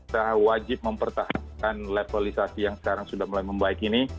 kita wajib mempertahankan levelisasi yang sekarang sudah mulai membaik ini